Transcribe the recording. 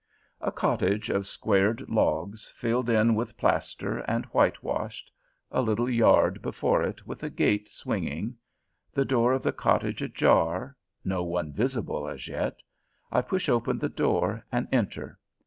A cottage of squared logs, filled in with plaster, and whitewashed. A little yard before it, with a gate swinging. The door of the cottage ajar, no one visible as yet. I push open the door and enter.